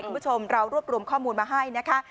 คุณผู้ชมเรารวบรวมข้อมูลมาให้นะคะ